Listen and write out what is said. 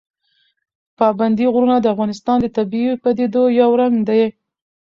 پابندی غرونه د افغانستان د طبیعي پدیدو یو رنګ دی.